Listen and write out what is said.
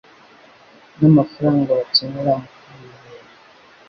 n'amafaranga bakenera mu kugura ibintu